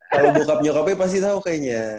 kalau bokap nyokapnya pasti tahu kayaknya